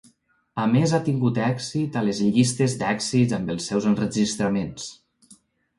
A més ha tingut èxit a les llistes d'èxits amb els seus enregistraments.